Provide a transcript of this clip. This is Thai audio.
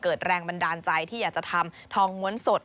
แรงบันดาลใจที่อยากจะทำทองม้วนสด